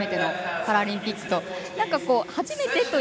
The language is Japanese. パラリンピック。